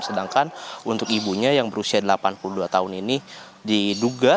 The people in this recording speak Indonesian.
sedangkan untuk ibunya yang berusia delapan puluh dua tahun ini diduga